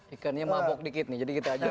ikannya mabok dikit nih jadi kita ajarin